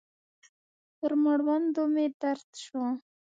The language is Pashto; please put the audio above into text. پر مړوندو مې درد سو.